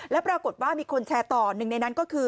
แล้วปรากฏว่ามีคนแชร์ต่อหนึ่งในนั้นก็คือ